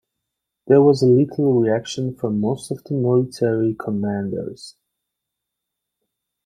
There was little reaction from most of the military commanders.